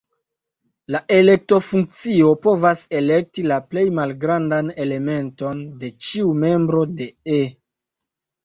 La elekto-funkcio povas elekti la plej malgrandan elementon de ĉiu membro de "E".